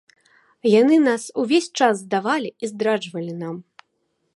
Яны нас увесь час здавалі і здраджвалі нам!